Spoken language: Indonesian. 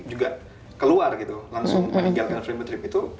juga keluar gitu langsung meninggalkan fremetrip itu